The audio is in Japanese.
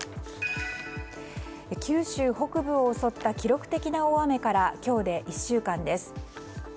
九州北部を襲った記録的な大雨から今日で１週間です。